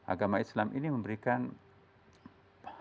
agama islam ini memberikan hak terhadap orang lain